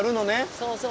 そうそう。